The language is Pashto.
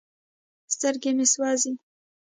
سترګې مې سوزي ـ